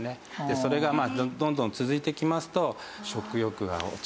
それがまあどんどん続いてきますと。